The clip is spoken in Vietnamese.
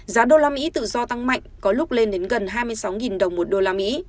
giá usd tự do tăng mạnh có lúc lên đến gần hai mươi sáu đồng một usd